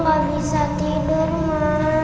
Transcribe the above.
ketika kita berdua berdua